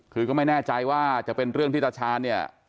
คือก็ไม่แน่ใจว่าจะเป็นเรื่องที่ตาชาญเนี่ย